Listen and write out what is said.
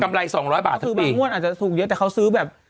กำไรสองร้อยบาทคือบางงวดอาจจะสูงเยอะแต่เขาซื้อแบบ